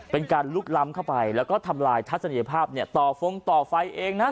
เป็นการลุกล้ำเข้าไปแล้วก็ทำลายทัศนียภาพเนี่ยต่อฟงต่อไฟเองนะ